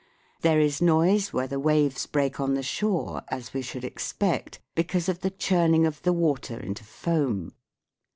There is noise where the waves break on the shore, as we should expect, because of the churning of the water into foam.